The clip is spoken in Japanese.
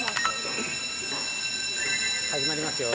◆始まりますよ。